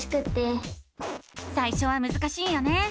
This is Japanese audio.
さいしょはむずかしいよね！